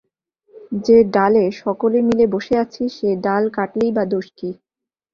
যে ডালে সকলে মিলে বসে আছি সে ডাল কাটলেই বা দোষ কী?